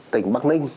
tỉnh bắc ninh